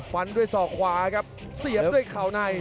ฟันด้วยศอกขวาครับเสียบด้วยเข่าใน